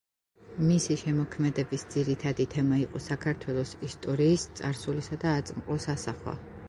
მისი შემოქმედების ძირითადი თემა იყო საქართველოს ისტორიის წარსულისა და აწმყოს ასახვა.